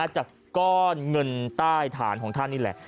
จากก้อนเงินใต้ฐานของท่านนี่แหละ